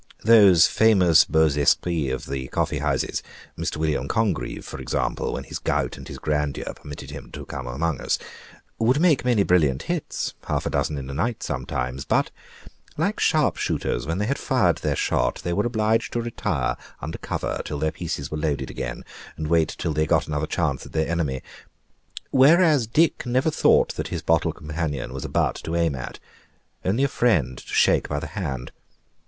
Those famous beaux esprits of the coffee houses (Mr. William Congreve, for instance, when his gout and his grandeur permitted him to come among us) would make many brilliant hits half a dozen in a night sometimes but, like sharp shooters, when they had fired their shot, they were obliged to retire under cover till their pieces were loaded again, and wait till they got another chance at their enemy; whereas Dick never thought that his bottle companion was a butt to aim at only a friend to shake by the hand.